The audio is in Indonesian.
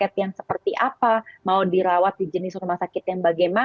hal yang berbedanya adalah asuransi kesehatan wright insurance